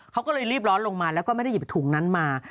เขาก็เลยรีบร้อนลงมาแล้วก็ไม่ได้หยิบถุงนั้นมา